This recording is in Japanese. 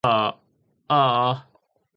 ああ